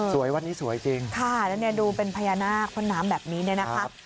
สวยวันนี้สวยจริงค่ะและดูเป็นพญานาคค้นนามแบบนี้นะครับ